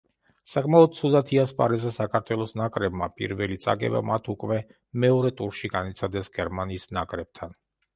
საკმაოდ ცუდად იასპარეზა საქართველოს ნაკრებმა, პირველი წაგება მათ უკვე მეორე ტურში განიცადეს გერმანიის ნაკრებთან.